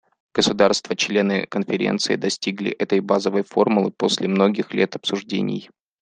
Государства — члены Конференции достигли этой базовой формулы после многих лет обсуждений.